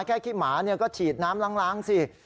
ขี้หมาก็ฉีดน้ำล้างสิ